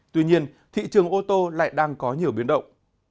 tuy nhiên thị trường ô tô lại đang có nhiều biến động